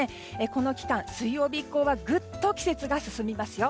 この期間、水曜日以降はぐっと季節が進みますよ。